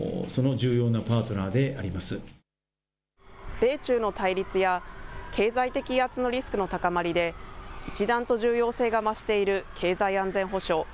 米中の対立や、経済的威圧のリスクの高まりで、一段と重要性が増している経済安全保障。